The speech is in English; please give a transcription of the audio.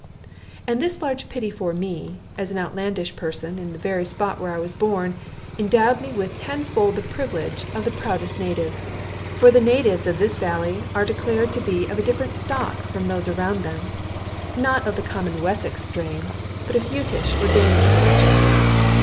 And this large pity for me, as an outlandish person, in the very spot where I was born, endowed me with tenfold the privilege of the proudest native. For the natives of this valley are declared to be of a different stock from those around them, not of the common Wessex strain, but of Jutish or Danish origin.